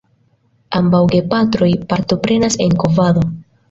Ambaŭ gepatroj partoprenas en kovado.